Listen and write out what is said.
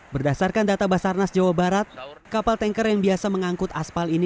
berdasarkan data basarnas jawa barat kapal tanker yang biasa mengangkut aspal ini